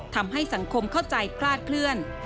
ทำให้สังคมเข้าใจคลาดเคลื่อน